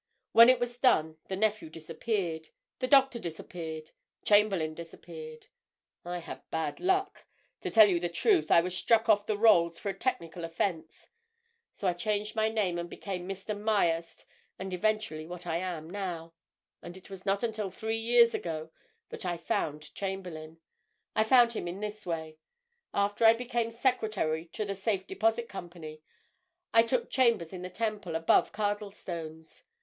When it was done, the nephew disappeared; the doctor disappeared; Chamberlayne disappeared. I had bad luck—to tell you the truth, I was struck off the rolls for a technical offence. So I changed my name and became Mr. Myerst, and eventually what I am now. And it was not until three years ago that I found Chamberlayne. I found him in this way: After I became secretary to the Safe Deposit Company, I took chambers in the Temple, above Cardlestone's.